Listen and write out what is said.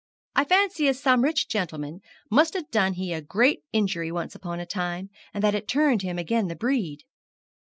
I fancy as some rich gentleman must ha' done he a great injury once upon a time, and that it turned he agen the breed.'